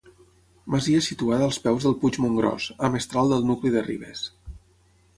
Masia situada als peus del Puig Montgròs, a mestral del nucli de Ribes.